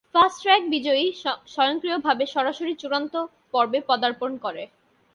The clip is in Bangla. ফাস্ট ট্র্যাক বিজয়ী স্বয়ংক্রিয়ভাবে সরাসরি চূড়ান্ত পর্বে পদার্পণ করে।